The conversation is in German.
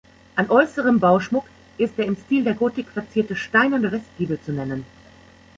An äußerem Bauschmuck ist der im Stil der Gotik verzierte steinerne Westgiebel zu nennen.